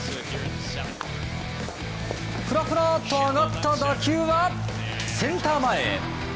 ふらふらっと上がった打球はセンター前へ。